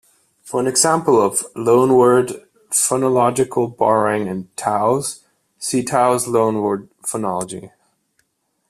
For an example of loanword phonological borrowing in Taos, see Taos loanword phonology.